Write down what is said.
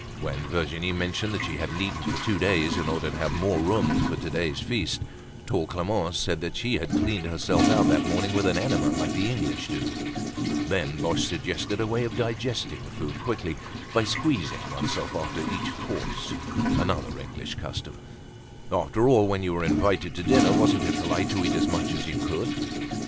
When Virginie mentioned that she hadn't eaten for two days in order to have more room for today's feast, tall Clemence said that she had cleaned herself out that morning with an enema like the English do. Then Boche suggested a way of digesting the food quickly by squeezing oneself after each course, another English custom. After all, when you were invited to dinner, wasn't it polite to eat as much as you could?